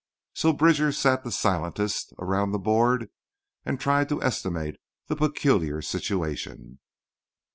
So Bridger sat the silentest around the board and tried to estimate the peculiar situation.